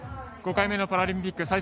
５回目のパラリンピック